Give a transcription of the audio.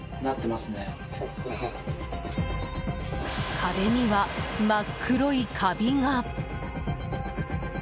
壁には真っ黒いカビが。